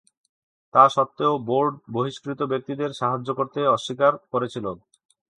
তা সত্ত্বেও, বোর্ড বহিষ্কৃত ব্যক্তিদের সাহায্য করতে অস্বীকার করেছিল।